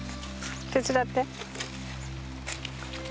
手伝って。